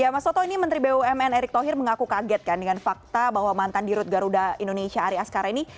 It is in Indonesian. ya mas soto ini menteri bumn erick thohir mengaku kaget kan dengan fakta bahwa mantan dirut garuda indonesia ari askara ini